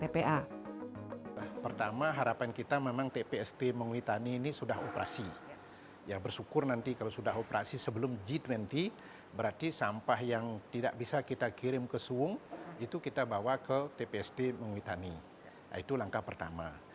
pertama harapan kita memang tpst menguitani ini sudah operasi ya bersyukur nanti kalau sudah operasi sebelum g dua puluh berarti sampah yang tidak bisa kita kirim ke suung itu kita bawa ke tpst menguhitani itu langkah pertama